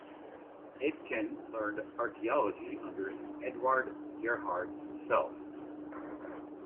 Abeken learned archeology under Eduard Gerhard himself.